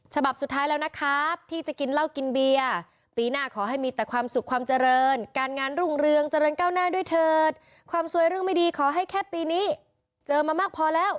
ฉบับสุดท้ายแล้วนะครับที่จะกินเหล้ากินเบียร์ปีหน้าขอให้มีแต่ความสุขความเจริญการงานรุ่งเรืองเจริญก้าวหน้าด้วยเถิดความสวยเรื่องไม่ดีขอให้แค่ปีนี้เจอมามากพอแล้ว